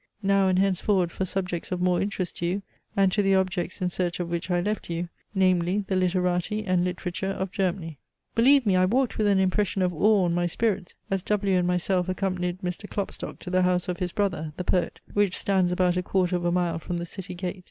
Now and henceforward for subjects of more interest to you, and to the objects in search of which I left you: namely, the literati and literature of Germany. Believe me, I walked with an impression of awe on my spirits, as W and myself accompanied Mr. Klopstock to the house of his brother, the poet, which stands about a quarter of a mile from the city gate.